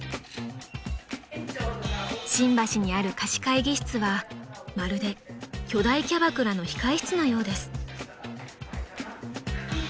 ［新橋にある貸し会議室はまるで巨大キャバクラの控室のようです］